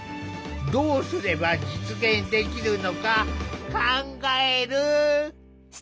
どうすれば実現できるのか考える！